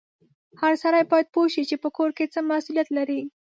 هر سړی باید پوه سي چې په کور کې څه مسولیت لري